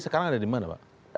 sekarang ada dimana pak